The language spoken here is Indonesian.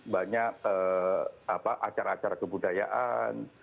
banyak acara acara kebudayaan